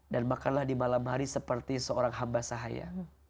dan makanlah di malam hari seperti seorang hamba sahaya